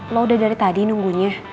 lo udah dari tadi nunggunya